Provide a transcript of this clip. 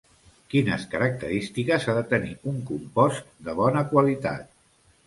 Quines característiques ha de tenir un compost de bona qualitat?